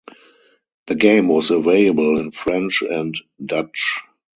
The game was available in French and Dutch.